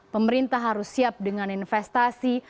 pemerintah harus siap dengan investasi